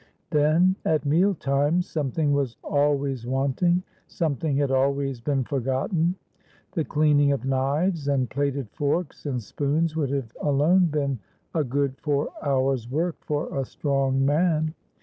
Then at meal times something was always wanting—something had always been forgotten. The cleaning of knives and plated forks and spoons would have alone been a good four hours' work for a strong man.